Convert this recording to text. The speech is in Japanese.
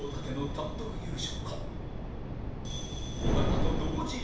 単独優勝！